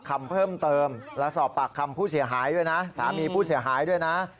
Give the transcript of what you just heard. คำเพิ่มเติมและสอบปากคำผู้เสียหายด้วยนะสามีผู้เสียหายด้วยนะ